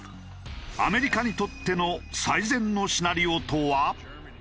アメリカにとっての最善のシナリオとは？